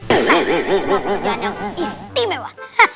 cuma pekerjaan yang istimewa